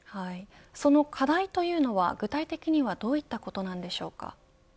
その課題というのは具体的にはどういったことなんでしょうか。